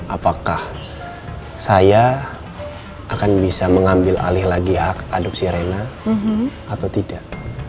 apakah saya akan bisa mengambil alih lagi adopsi rena atau tidak